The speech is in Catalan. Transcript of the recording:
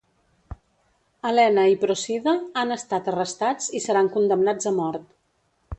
Elena i Procida han estat arrestats i seran condemnats a mort.